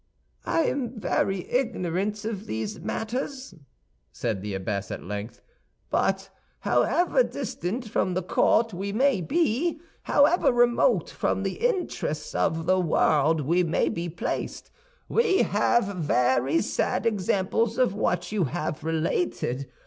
"I am very ignorant of these matters," said the abbess, at length; "but however distant from the court we may be, however remote from the interests of the world we may be placed, we have very sad examples of what you have related.